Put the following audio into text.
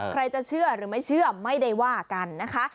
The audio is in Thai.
ใครจะเชื่อหรือไม่เชื่อไม่ได้ว่ากันนะคะ